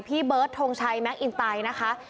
พี่เบิร์ดทงชัยแมคอินไตนะคะ